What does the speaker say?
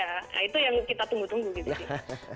nah itu yang kita tunggu tunggu gitu sih